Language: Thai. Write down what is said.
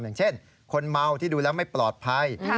อย่างเช่นคนเมาที่ดูแล้วไม่ปลอดภัย